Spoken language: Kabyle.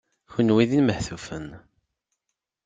Kenwi d imehtufen.